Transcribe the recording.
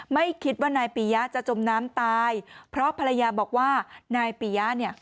ไม่คิดว่านายปียะจะจมน้ำตายเพราะภรรยาบอกว่านายปียะเนี่ย